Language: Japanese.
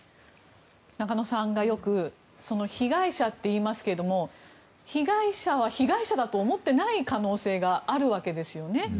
中野さんがよく、被害者といいますけど被害者は被害者だと思ってない可能性があるわけですよね。